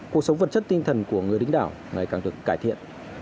cuộc sống vật chất tinh thần của người đính đảo ngày càng được cải thiện